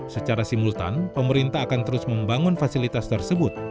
secara simultan pemerintah akan terus membangun fasilitas tersebut